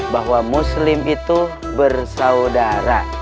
bahwa muslim itu bersaudara